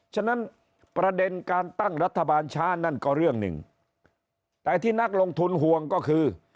ฉะนั้นประเด็นการตั้งรัฐบาลช้านั่นก็เรื่องหนึ่งแต่ที่นักลงทุนห่วงก็คือ